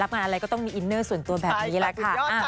งานอะไรก็ต้องมีอินเนอร์ส่วนตัวแบบนี้แหละค่ะ